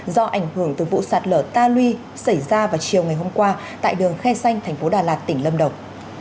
do ảnh hưởng từ vụ sạt lở ta luy xảy ra vào chiều ngày hôm qua tại đường khe xanh thành phố đà lạt tỉnh lâm đồng